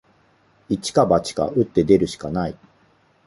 一か八か、打って出るしかない